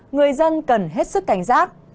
người dân cần hết sức cảnh giác